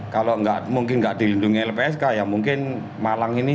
kalau mungkin nggak dilindungi lpsk ya mungkin malang ini